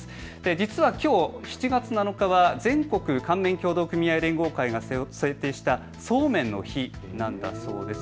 実はきょう７月７日は全国乾麺協同組合連合会が制定したそうめんの日なんだそうです。